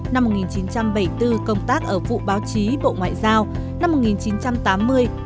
năm một nghìn chín trăm bảy mươi bốn công tác ở vụ báo chí bộ ngoại giao